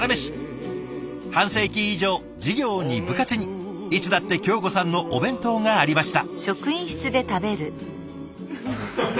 半世紀以上授業に部活にいつだって京子さんのお弁当がありました。